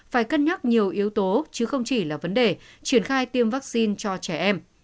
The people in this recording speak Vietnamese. phải cân nhắc nhiều yếu tố chứ không chỉ là vấn đề triển khai tiêm vaccine cho trẻ em